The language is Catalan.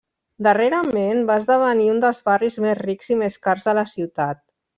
Darrerament, va esdevenir un dels barris més rics i més cars de la ciutat.